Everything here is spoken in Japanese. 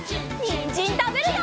にんじんたべるよ！